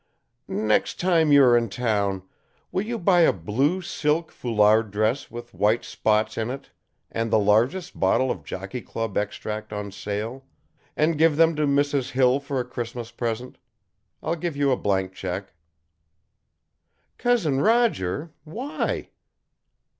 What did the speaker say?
"Next time you are in town, will you buy a blue silk foulard dress with white spots in it and the largest bottle of Jockey Club Extract on sale, and give them to Mrs. Hill for a Christmas present? I'll give you a blank check." "Cousin Roger? Why?"